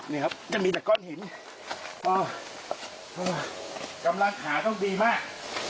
นี่ครับจะมีแต่ก้อนหินกำลังหาต้องดีมาก